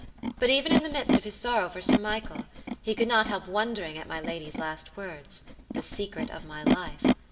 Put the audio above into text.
But even in the midst of his sorrow for Sir Michael, he could not help wondering at my lady's last words"the secret of my life."